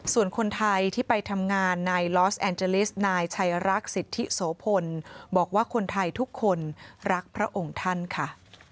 ส่วนคนไทยที่ไปทำงานในลอสแอนเจลิสนายชัยรักสิทธิโสพลบอกว่าคนไทยทุกคนรักพระองค์ท่านค่ะ